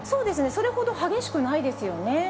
それほど激しくないですよね。